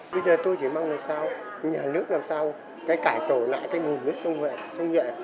bây giờ tôi chỉ mong làm sao nhà nước làm sao cái cải tổ lại cái nguồn nước sông vệ sông nhuệ